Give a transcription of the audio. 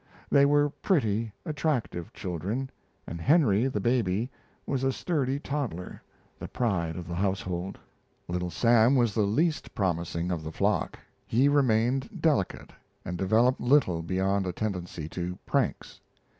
They were pretty, attractive children, and Henry, the baby, was a sturdy toddler, the pride of the household. Little Sam was the least promising of the flock. He remained delicate, and developed little beyond a tendency to pranks.